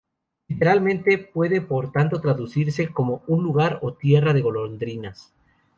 Literalmente puede por tanto traducirse como lugar o tierra de golondrinas.